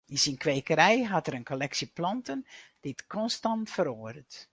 Yn syn kwekerij hat er in kolleksje planten dy't konstant feroaret.